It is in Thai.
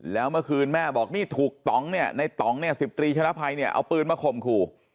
แล้วเมื่อคืนแม่บอกนี่ถูกต่องเนี่ยในต่องเนี่ย๑๐ตรีชนะภัยเนี่ยเอาปืนมาข่มขู่